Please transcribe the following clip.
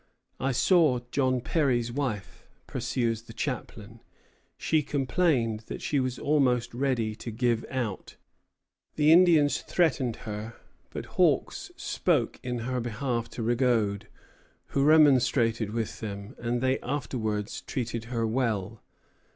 "I saw John Perry's wife," pursues the chaplain; "she complained that she was almost ready to give out." The Indians threatened her, but Hawks spoke in her behalf to Rigaud, who remonstrated with them, and they afterwards treated her well.